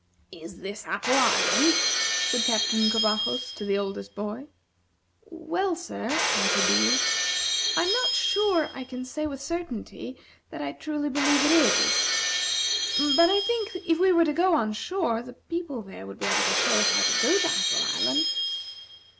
"Is this Apple Island?" said Captain Covajos to the oldest boy. "Well, sir," answered the youth, "I am not sure I can say with certainty that I truly believe that it is; but, I think, if we were to go on shore, the people there would be able to tell us how to go to Apple Island."